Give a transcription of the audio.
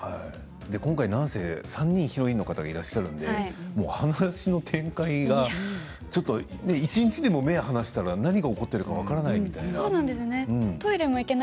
今回、３人ヒロインの方がいらっしゃるので話の展開が一日でも目を離したら何が起こっているか分からないみたいな。